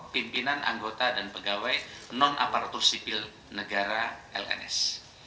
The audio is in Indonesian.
pimpinan anggota dan pegawai non aparatur sipil negara lns